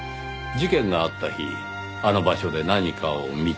事件があった日あの場所で何かを見た。